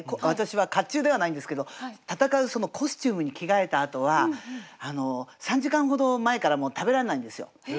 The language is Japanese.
私は甲冑ではないんですけど戦うコスチュームに着替えたあとは３時間ほど前からもう食べられないんですよ。